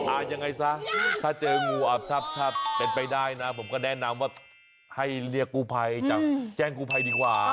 ยังไงซะถ้าเจองูอับถ้าเป็นไปได้นะผมก็แนะนำว่าให้เรียกกู้ภัยจากแจ้งกู้ภัยดีกว่า